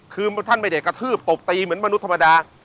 คือท่านไม่ได้กระทืบตบตีเหมือนมนุษย์ธรรมดา